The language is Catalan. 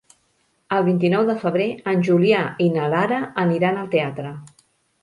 El vint-i-nou de febrer en Julià i na Lara aniran al teatre.